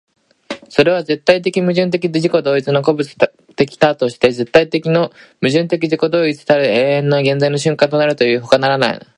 それは絶対矛盾的自己同一の個物的多として絶対の矛盾的自己同一たる永遠の現在の瞬間となるというにほかならない。